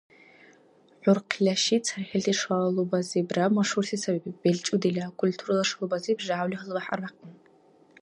ХӀурхъила ши цархӀилти шалубазибра машгьурси саби — белчӀудила, культурала шалубазиб жявли гьалабяхӀ арбякьун.